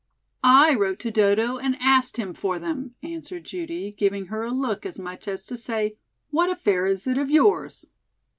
"I wrote to Dodo and asked him for them," answered Judy, giving her a look, as much as to say, "What affair is it of yours?"